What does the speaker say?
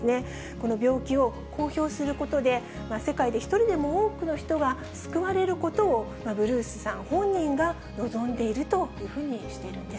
この病気を公表することで、世界で一人でも多くの人が救われることを、ブルースさん本人が望んでいるというふうにしているんです。